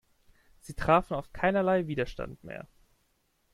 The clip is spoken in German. Sie trafen auf keinerlei Widerstand mehr.